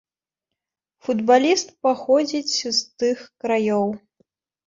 Футбаліст паходзіць з тых краёў.